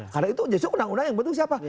karena itu jesu undang undang yang bentuk siapa